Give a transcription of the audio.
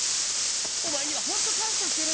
お前にはホント感謝してる。